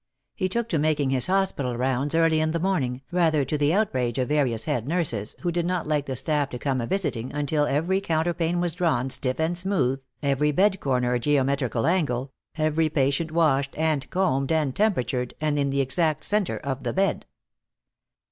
He took to making his hospital rounds early in the morning, rather to the outrage of various head nurses, who did not like the staff to come a visiting until every counterpane was drawn stiff and smooth, every bed corner a geometrical angle, every patient washed and combed and temperatured, and in the exact center of the bed.